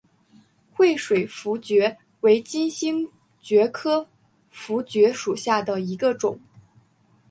惠水茯蕨为金星蕨科茯蕨属下的一个种。